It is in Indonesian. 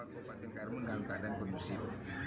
bupati karimun dalam keadaan kondusif